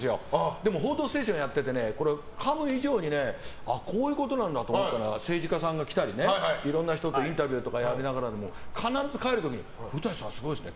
でも「報道ステーション」やってかむ以上にこういうことなんだと思ったのは政治家さんが来たりいろんな人のインタビューやりながら必ず帰る時に古舘さんすごいですね。